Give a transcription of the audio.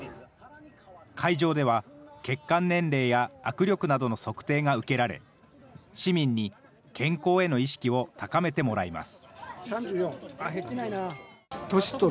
会場では、血管年齢や握力などの測定が受けられ、市民に健康への意識を高めてもらいます。